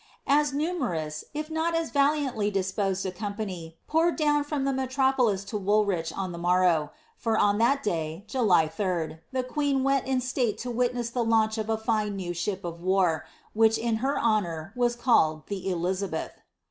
As numerous, if not as valiandy disposed a company, poured down from the metropolis to Woolwich on the morrow : for on that day, July 3d. the queen went in state to witness the launch of a fine new ship of war, which, in honour of her, was called The Elizabeth."